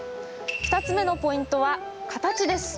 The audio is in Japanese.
２つ目のポイントは形です。